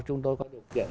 chúng tôi có điều kiện